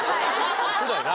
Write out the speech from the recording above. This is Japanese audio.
そうだよな。